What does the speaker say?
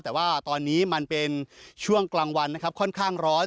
แต่ว่าตอนนี้มันเป็นช่วงกลางวันนะครับค่อนข้างร้อน